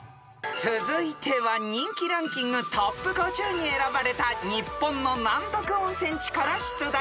［続いては人気ランキングトップ５０に選ばれた日本の難読温泉地から出題］